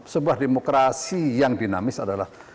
sebuah demokrasi yang dinamis adalah